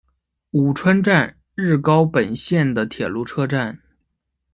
鹉川站日高本线的铁路车站。